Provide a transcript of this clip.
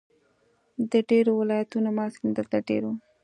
د ډېرو ولایتونو محصلین دلته دېره وو.